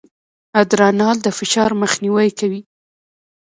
ادرانال د فشار مخنیوی کوي.